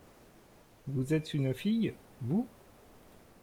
Vous êtes une fille-vous ?